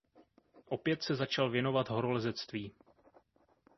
Opět se začal věnovat horolezectví.